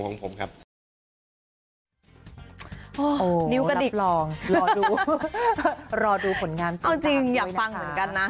นิ้วกระดิกรอดูรอดูผลงานตูมตามจริงอยากฟังเหมือนกันนะ